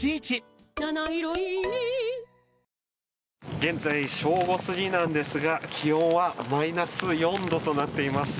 現在、正午過ぎなんですが気温はマイナス４度となっています。